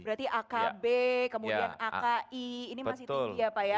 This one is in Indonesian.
berarti akb kemudian aki ini masih tinggi ya pak ya